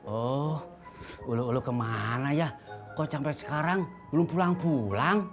oh ulu ulu kemana ya kok sampai sekarang belum pulang pulang